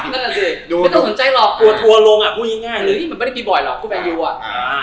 ไม่ต้องสนใจหรอกกลัวทัวลงอ่ะพูดง่ายหรือมันไม่ได้มีบ่อยหรอกเพราะว่าแบรนด์ยูอ่ะ